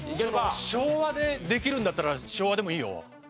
昭和でできるんだったら昭和でもいいよ。